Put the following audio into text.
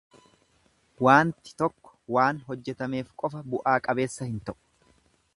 Waanti tokko waan hojjetameef qofa bu'a qabeessa hin ta'u.